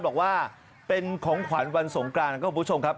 บอกว่าเป็นของขวัญวันสงกรานครับคุณผู้ชมครับ